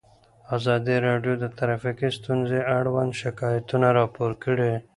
ازادي راډیو د ټرافیکي ستونزې اړوند شکایتونه راپور کړي.